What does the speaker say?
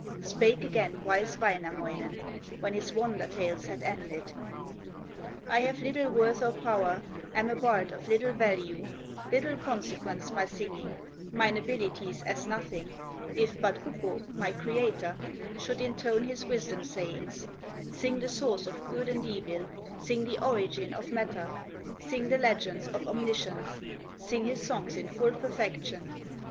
Spake again wise Wainamoinen, When his wonder tales had ended: "l have little worth or power, Am a bard of little value, Little consequence my singing, Mine abilities as nothing, If but Ukko, my Creator, Should intone his wisdom sayings, Sing the source of good and evil, Sing the origin of matter, Sing the legends of omniscience, Sing his songs in full perfection.